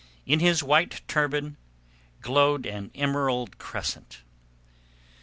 In his white turban glowed an emerald crescent.